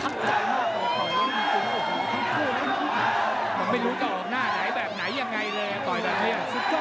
ไม่รู้จะออกหน้าไหนแบบไหนยังไงเลยอ่ะต่อยแบบเนี้ย